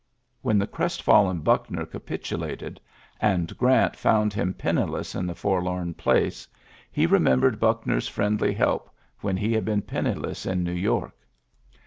When the crestfallen Backner capitulated, and Grant found 62 ULYSSES S. GEAlf T him penniless in the forlorn place, he remembered Buckner's firiendly help when he had been penniless in New York.